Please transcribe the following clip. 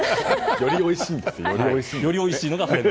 よりおいしいんです。